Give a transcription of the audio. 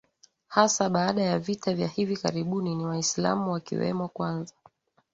hasa baada ya vita vya hivi karibuni ni Waislamu wakiwemo kwanza